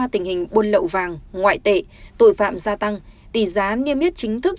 tình hình buôn lậu vàng ngoại tệ tội phạm gia tăng tỷ giá niêm yết chính thức